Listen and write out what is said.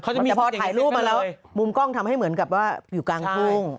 แต่พอถ่ายรูปมาแล้วมุมกล้องทำให้เหมือนกับว่าอยู่กลางทุ่ง